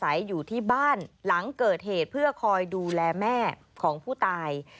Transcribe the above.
อยู่ที่บ้านหลังเกิดเหตุเพื่อคอยดูแลแม่ของผู้ตาย